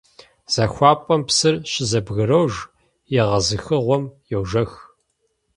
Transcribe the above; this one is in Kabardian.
ЗахуапӀэм псыр щызэбгрож, егъэзыхыгъуэм — йожэх.